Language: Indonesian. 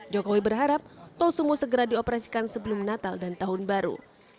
jokowi berharap tol sumo segera dioperasikan sebelum natal dan tahun baru